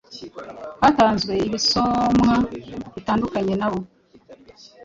hatanzwe ibisomwa bitandukanye Nabo